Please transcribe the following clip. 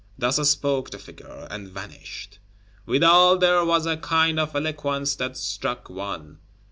Thus spoke the figure: and vanished. "Withal there was a kind of eloquence that struck one."